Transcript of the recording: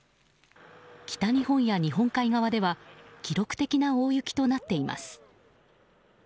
北日本や日本海側では記録的な大雪となっています。